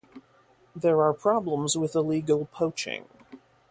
There are problems with illegal poaching.